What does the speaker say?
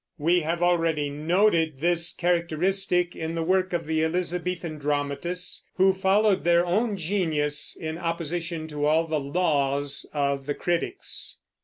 We have already noted this characteristic in the work of the Elizabethan dramatists, who followed their own genius in opposition to all the laws of the critics.